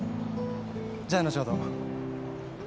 じゃあ後ほど。